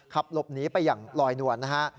ขับหลบหนีไปอย่างลอยนวลนะฮะ